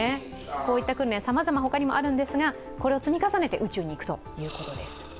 こういった訓練、さまざま、ほかにもあるんですが、これを積み重ねて宇宙に行くということです。